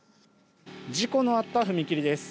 事故のあった踏切です。